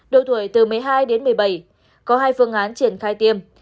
độ tuổi từ một mươi hai đến một mươi bảy có hai phương án triển khai tiêm